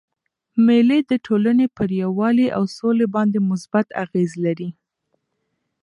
مېلې د ټولني پر یووالي او سولي باندي مثبت اغېز لري.